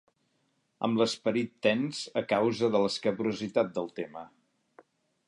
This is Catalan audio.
Amb l'esperit tens a causa de l'escabrositat del tema.